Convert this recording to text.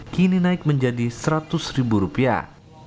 kini naik menjadi seratus ribu rupiah